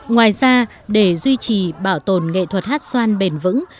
ngoài ra để duy trì bảo tồn nghệ thuật hát xoan bền vững